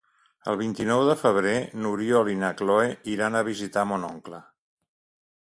El vint-i-nou de febrer n'Oriol i na Cloè iran a visitar mon oncle.